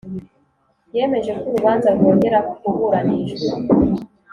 yemeje ko urubanza rwongera kuburanishwa